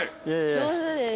上手です。